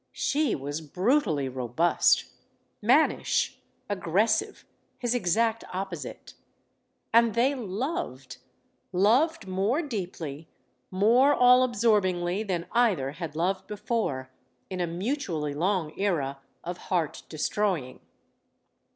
She was brutally robust, mannish, ag gressive; his exact opposite And they loved loved more deeply, more all absorbingly than either had loved before in a mutually long era of heart destroy ing.